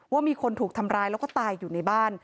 ว่ามีคนถูกทำร้ายแล้วก็ตายอยู่ในบ้าน